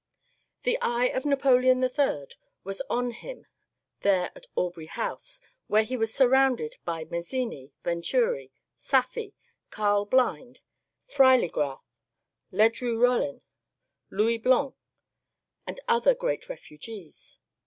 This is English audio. The eye of Napo leon III was on him there at Aubrey House, where he was surrounded by Mazzini, Venturi, Saffi, Karl Blind, Freili grath, Le4ru Bollin, Louis Blanc, and other great refugees.